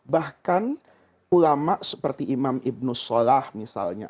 bahkan ulama seperti imam ibnu sholah misalnya